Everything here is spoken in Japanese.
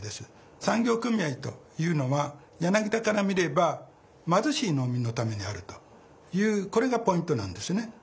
産業組合というのは柳田から見れば貧しい農民のためにあるというこれがポイントなんですね。